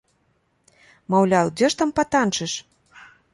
Маўляў, дзе ж там патанчыш?